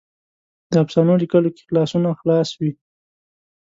د افسانو لیکلو کې لاسونه خلاص وي.